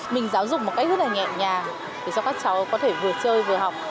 mình giáo dục một cách rất là nhẹ nhàng để cho các cháu có thể vừa chơi vừa học